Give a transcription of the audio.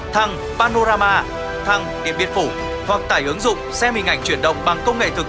thăng panorama thăng điện biên phủ hoặc tải ứng dụng xem hình ảnh chuyển động bằng công nghệ thực